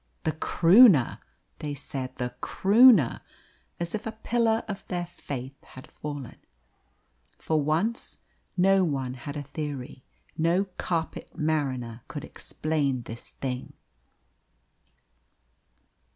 "The Croonah!" they said, "the Croonah!" as if a pillar of their faith had fallen. For once no one had a theory: no carpet mariner could explain this thing.